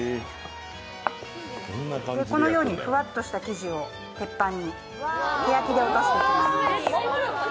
このようにふわっとした生地を鉄板に手焼きで落としていきます。